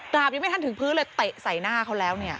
ยังไม่ทันถึงพื้นเลยเตะใส่หน้าเขาแล้วเนี่ย